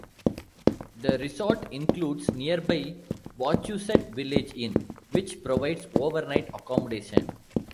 The resort includes nearby "Wachusett Village Inn" which provides overnight accommodations.